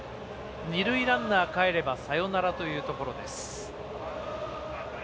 二塁ランナーかえればサヨナラというところ。